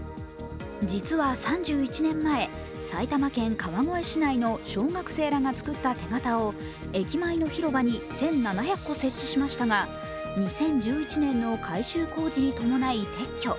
実は３１年前、埼玉県川越市内の小学生らが作った手形を駅前の広場に１７００個設置しましたが２０１１年の改修工事に伴い撤去。